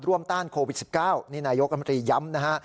ต้านโควิด๑๙นี่นายกรมตรีย้ำนะฮะ